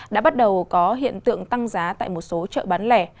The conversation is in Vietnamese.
đã bắt đầu có hiện tượng tăng giá tại một số chợ bán lẻ